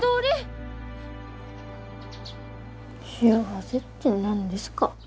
幸せって何ですか？